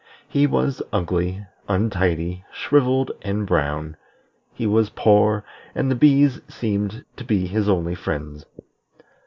He was ugly, untidy, shrivelled, and brown. He was poor, and the bees seemed to be his only friends.